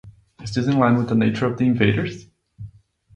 Is this in line with the nature of the invaders?